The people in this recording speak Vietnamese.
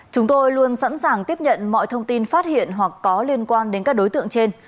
chúng tôi luôn sẵn sàng tiếp nhận mọi thông tin phát hiện hoặc có liên quan đến các đối tượng trên